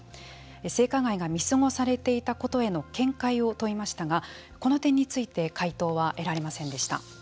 性加害が見過ごされてきたことへの見解を問いましたがこの点について回答は得られませんでした。